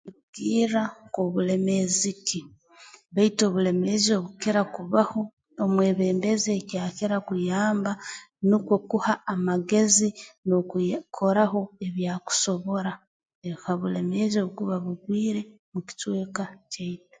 Nkirugirra nk'obuleemezi ki baitu obulemeezi obukukira kubaho omwebembezi eki akira kuyamba nukwo kuha amagezi n'okuya koraho ebi akusobora ha bulemeezi obukuba bugwire mu kicweka kyaitu